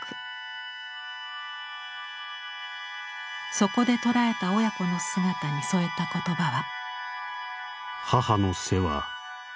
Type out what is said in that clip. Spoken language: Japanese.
そこで捉えた親子の姿に添えた言葉は。